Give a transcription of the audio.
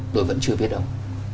tôi vẫn chưa biết ông